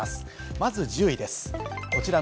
まず１０位です。